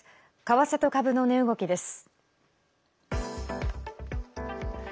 為替と株の値動きです。